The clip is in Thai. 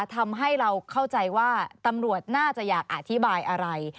ทำให้เราเข้าใจว่าตำรวจน่าจะอยากอธิบายอะไร